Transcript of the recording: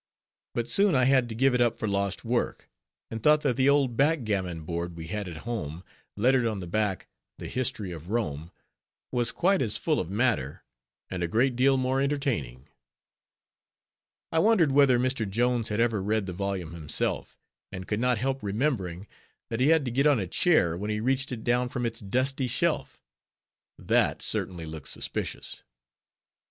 But soon I had to give it up for lost work; and thought that the old backgammon board, we had at home, lettered on the back, "The History of Rome" was quite as full of matter, and a great deal more entertaining. I wondered whether Mr. Jones had ever read the volume himself; and could not help remembering, that he had to get on a chair when he reached it down from its dusty shelf; that certainly looked suspicious.